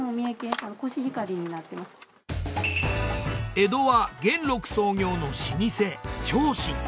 江戸は元禄創業の老舗長新。